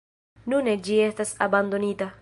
Nune ĝi estas abandonita.